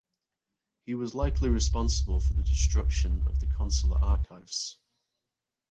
He was likely responsible for the destruction of the consulate archives.